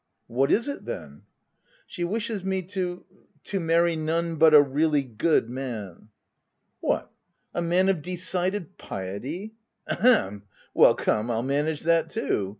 "" What is it then ?"" She wishes me to — to marry none but a really good man.'' H What, a man of ' decided piety ?'— ahem !— Well, come, Pll manage that too !